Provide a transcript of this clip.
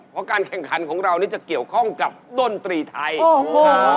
เพราะการแข่งขันของเรานี่จะเกี่ยวข้องกับดนตรีไทย